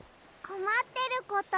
こまってること？